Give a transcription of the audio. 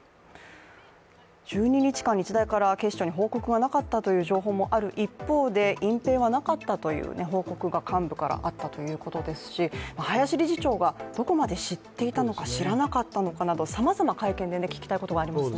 １２日間、日大から警視庁に報告がなかったという情報もある一方で隠蔽はなかったという報告が幹部からあったということですし林理事長がどこまで知っていたのか知らなかったのかなどさまざま会見で聞きたいことがありますね。